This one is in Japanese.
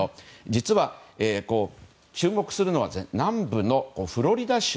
実は注目するのは南部のフロリダ州。